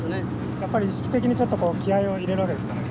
やっぱり意識的にちょっとこう気合いを入れるわけですかね？